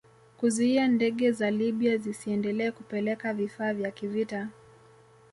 Kuzuia ndege za Libya zisiendelee kupeleka vifaa vya kivita